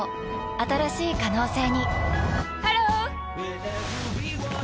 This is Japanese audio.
新しい可能性にハロー！